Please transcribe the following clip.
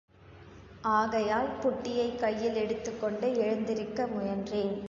ஆகையால் புட்டியைக் கையில் எடுத்துக் கொண்டு எழுந்திருக்க முயன்றேன்.